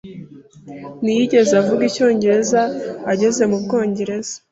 Ntiyigeze avuga Icyongereza ageze mu Bwongereza.